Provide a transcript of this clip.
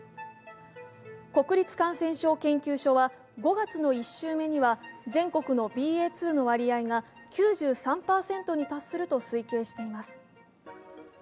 国立感染症研究所は５月の１週目には全国のＢＡ．２の割合が９３％に達すると推計しています。